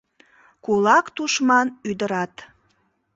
Кулак тушман ӱдырат